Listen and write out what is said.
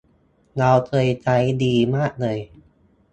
เราเคยใช้ดีมากเลย